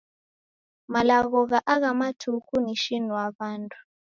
Malagho gha agha matuku ni shinua w'andu.